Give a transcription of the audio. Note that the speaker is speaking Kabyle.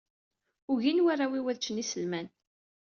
Ugin warraw-iw ad ččen iselman.